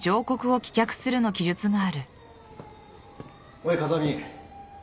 おい風見。